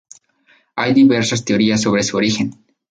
Hay diversas teorías sobre su origen.